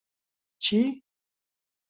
چی؟